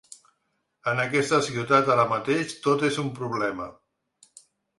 En aquesta ciutat ara mateix tot és un problema.